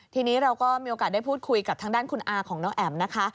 ทีนี้เราก็มีโอกาสได้พูดคุยกับทางด้านคุณอาของน้องแอ๋มนะคะ